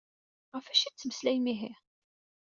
Ɣef acu i ad tettmeslayem ihi?